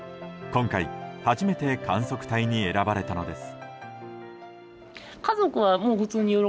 今回初めて観測隊に選ばれたのです。